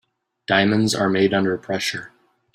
Diamonds are made under pressure.